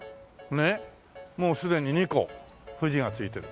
もうすでに２個「富士」が付いてる。